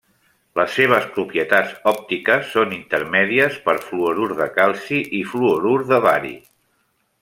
Les seves propietats òptiques són intermèdies per fluorur de calci i fluorur de bari.